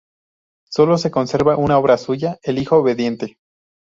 Sólo se conserva una obra suya: "El hijo obediente".